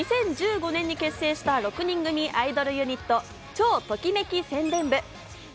２０１５年に結成した６人組アイドルユニット、超ときめき宣伝部。